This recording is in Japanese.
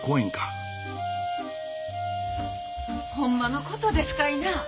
ほんまのことですかいな？